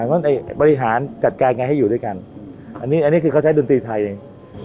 มีแผนบริหารกัดการงานให้อยู่ด้วยกันอันนี้คือเขาใช้ดนตรีไทยเอง